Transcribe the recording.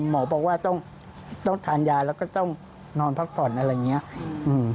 หมอบอกว่าต้องต้องทานยาแล้วก็ต้องนอนพักผ่อนอะไรอย่างนี้